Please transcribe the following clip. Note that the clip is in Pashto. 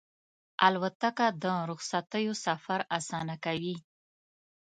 الوتکه د رخصتیو سفر اسانه کوي.